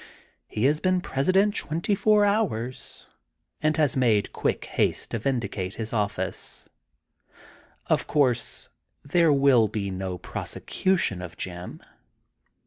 He has been president twenty four hours and has made haste to vindicate his oflSce. Of course there will be no prosecution of Jim.